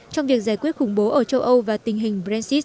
trong việc giải quyết khủng bố ở châu âu và tình hình brexit